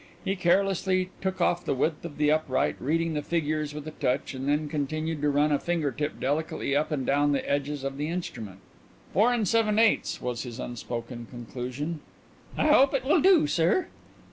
He carelessly took off the width of the upright, reading the figures with a touch; and then continued to run a finger tip delicately up and down the edges of the instrument. "Four and seven eighths," was his unspoken conclusion. "I hope it will do, sir."